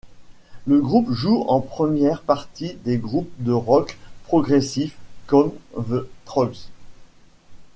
Le groupe joue en première partie des groupes de rock progressifs comme the Troggs.